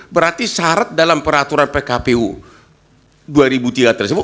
berarti syarat dalam peraturan pkpu dua ribu tiga tersebut